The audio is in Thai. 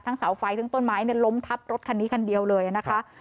เสาไฟทั้งต้นไม้ล้มทับรถคันนี้คันเดียวเลยนะคะ